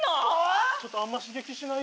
ちょっとあんま刺激しないでぇ。